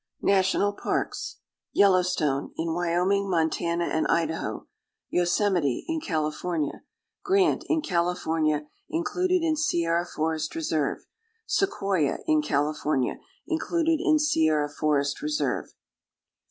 NATIONAL PARKS. =Yellowstone=, in Wyoming, Montana, and Idaho. =Yosemite=, in California. =Grant=, in California, included in Sierra Forest Reserve. =Sequoia=, in California, included in Sierra Forest Reserve.